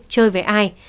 chơi với ai